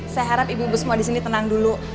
saya harap ibu ibu semua disini tenang dulu